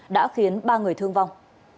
đã khiến ba người thương vong